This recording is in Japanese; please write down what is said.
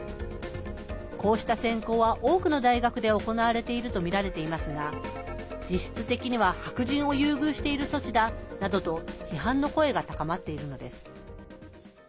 こうした選考は、多くの大学で行われているとみられていますが実質的には白人を優遇している措置だなどと批判の声が高まっているのです。